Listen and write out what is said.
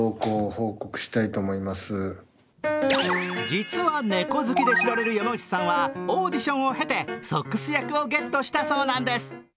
実は猫好きで知られる山内さんはオーディションを経てソックス役をゲットしたそうなんです。